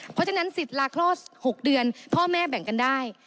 เพราะฉะนั้นสิทธิ์ลาคลอด๖เดือนพ่อแม่แบ่งกันได้